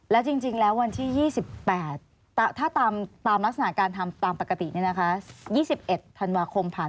แล้วจริงแล้ววันที่๒๘ถ้าตามลักษณะการทำตามปกติ๒๑ธันวาคมผ่าน